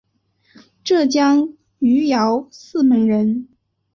浙江余姚泗门人。